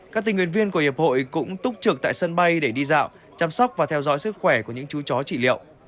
các tình nguyện viên của hiệp hội cũng túc trực tại sân bay để đi dạo chăm sóc và theo dõi sức khỏe của những chú chó trị liệu